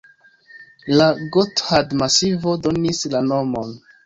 La Gothard-masivo donis la nomon.